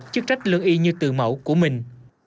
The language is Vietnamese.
chức trách lương y như tự mẫu của mình